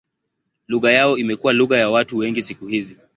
Lugha yao imekuwa lugha ya watu wengi siku hizi.